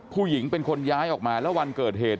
ผู้หญิงเป็นคนย้ายออกมาแล้ววันเกิดเหตุ